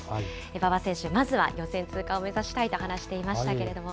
馬場選手、まずは予選通過を目指したいと話していましたけれども。